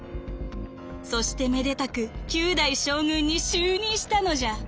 そしてめでたく９代将軍に就任したのじゃ」。